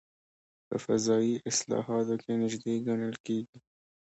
په فضایي اصطلاحاتو کې نژدې ګڼل کېږي.